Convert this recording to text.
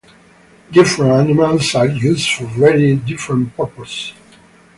Different animals are used for very different purposes.